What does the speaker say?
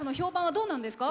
どうなんですか？